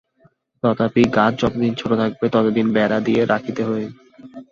তথাপি গাছ যতদিন ছোট থাকে, ততদিন বেড়া দিয়া রাখিতে হয়।